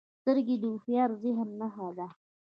سترګې د هوښیار ذهن نښه ده